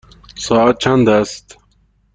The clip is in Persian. ساعت چند است؟